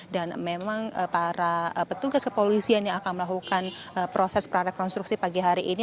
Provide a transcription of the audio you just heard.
dan memang para petugas kepolisian yang akan melakukan proses prarekonstruksi pagi hari ini